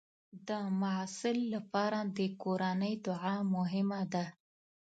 د محصل لپاره د کورنۍ دعا مهمه ده.